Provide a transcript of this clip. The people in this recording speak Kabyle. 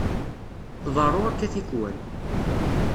Tḍerru akka tikkwal.